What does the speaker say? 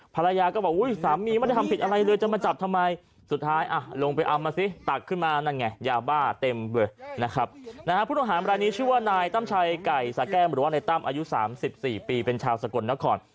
พุทธอาหารบรรณีชื่อว่านายตั้มชายไก่สาแก้มรวรรดิตั้มอายุ๓๔ปีเป็นชาวสกลแล้วข่อน